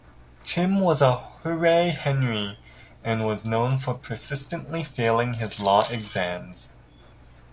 Tim was a 'Hooray Henry' and was known for persistently failing his law exams.